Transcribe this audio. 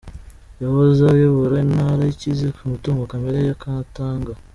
Yahoze ayobora intara ikize ku mutungo kamere ya Katanga.